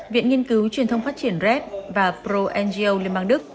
viện nghiên cứu truyền thông phát triển red và pro ngo liên bang đức